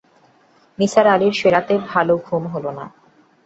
নিসার আলির সে-রাতে ভালো ঘুম হল না।